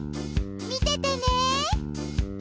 みててね！